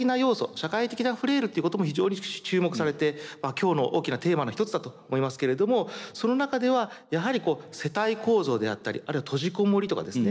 社会的なフレイルっていうことも非常に注目されて今日の大きなテーマの一つだと思いますけれどもその中ではやはり世帯構造であったりあるいは閉じこもりとかですね